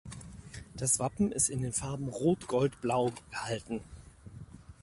Das Wappen ist in den Farben Rot-Gold-Blau gehalten.